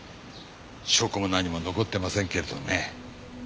証拠も何も残ってませんけれどね。